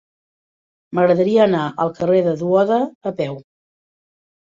M'agradaria anar al carrer de Duoda a peu.